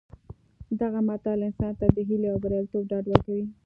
دغه متل انسان ته د هیلې او بریالیتوب ډاډ ورکوي